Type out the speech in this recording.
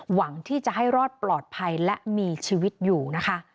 หวังที่จะให้รอดปลอดภัยและมีชีวิตอยู่นะคะ